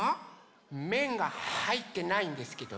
めんがはいってないんですけど。